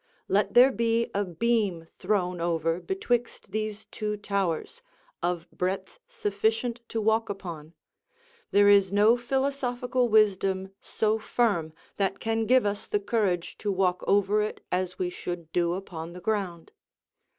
Let there be a beam thrown over betwixt these two towers, of breadth sufficient to walk upon, there is no philosophical wisdom so firm that can give us the courage to walk over it as we should do upon the ground.